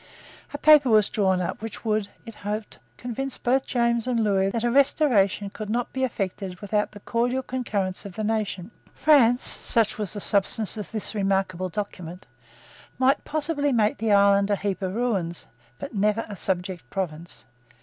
A paper was drawn up which would, it was hoped, convince both James and Lewis that a restoration could not be effected without the cordial concurrence of the nation. France, such was the substance of this remarkable document, might possibly make the island a heap of ruins, but never a subject province.